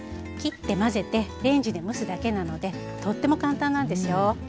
切って混ぜてレンジで蒸すだけなのでとっても簡単なんですよ。